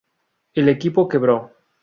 El equipo quebró.